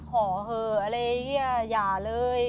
ขอเหอะอะไรเงี้ยอย่าเลย